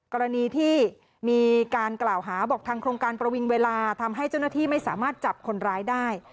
กรณีที่มีการกล่าวหาบอกทางโครงการประวิงเวลาทำให้เจ้าหน้าที่ไม่สามารถจับคนร้ายได้